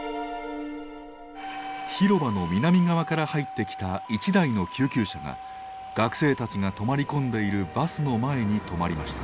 広場の南側から入ってきた一台の救急車が学生たちが泊まり込んでいるバスの前に止まりました。